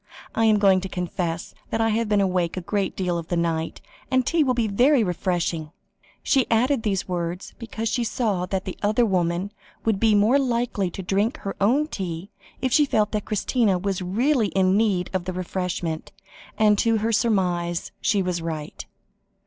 "I am going to confess that I have been awake a great deal of the night, and tea will be very refreshing." She added these words, because she saw that the other woman would be more likely to drink her own tea, if she felt that Christina was really in need of the refreshment, and her surmise was right.